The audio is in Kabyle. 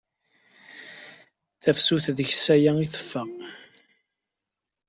Tafsut ddeqs aya i teffeɣ.